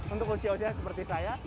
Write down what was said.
untuk usia usia seperti saya